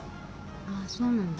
ああそうなんだ。